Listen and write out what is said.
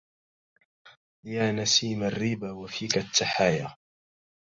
يا نسيم الربى وفيك التحايا